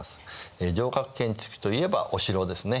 城郭建築といえばお城ですね。